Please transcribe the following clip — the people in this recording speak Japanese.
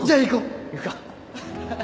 行くか。